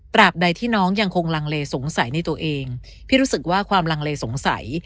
บใดที่น้องยังคงลังเลสงสัยในตัวเองพี่รู้สึกว่าความลังเลสงสัย